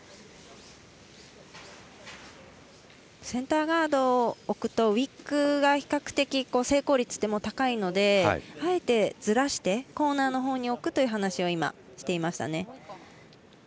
センターガードを置くとウイックが比較的成功率が高いのであえてずらしてコーナーのほうに置くという話を今、していましたね。